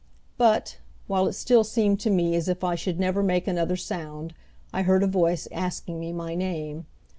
But, while it still seemed to me as if I should never make another sound, I heard a voice asking me my name.